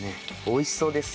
美味しそうです。